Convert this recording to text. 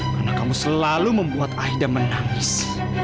karena kamu selalu membuat aida menangis